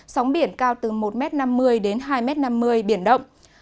sóng biển cao từ một năm mươi m đến hai năm mươi m biển động